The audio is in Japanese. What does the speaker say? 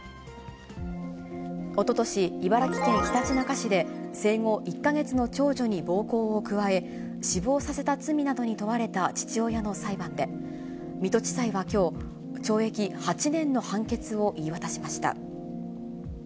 おととし、茨城県ひたちなか市で、生後１か月の長女に暴行を加え、死亡させた罪などに問われた父親の裁判で、水戸地裁はきょう、懲役８年の判決を言い渡しました。